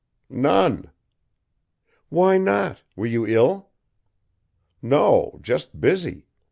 "None." "Why not? Were you ill?" "No; just busy.